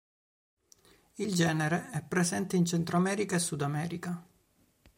Il genere è presente in Centro America e Sud America.